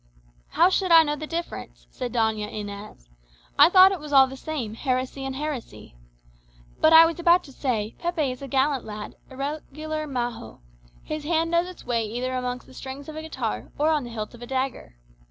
"How should I know the difference?" said Doña Inez. "I thought it was all the same, heresy and heresy. But I was about to say, Pepe is a gallant lad, a regular majo; his hand knows its way either amongst the strings of a guitar, or on the hilt of a dagger.